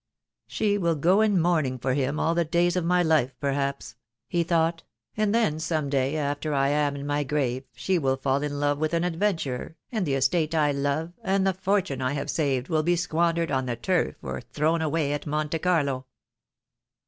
"She will go in mourning for him all the days of my life, perhaps," he thought, "and then some day after I am in my grave she mil fall in love with an adventurer, and the estate I love and the fortune I have saved will be squandered on the Turf or thrown away at Monte Carlo."